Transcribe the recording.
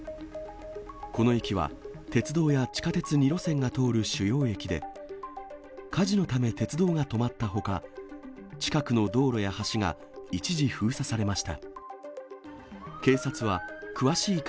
この駅は、鉄道や地下鉄２路線が通る主要駅で、火事のため鉄道が止まったほか、近くの道路や橋が一時封鎖されました。